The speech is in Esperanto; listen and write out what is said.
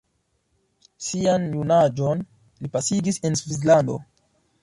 Sian junaĝon li pasigis en Svislando.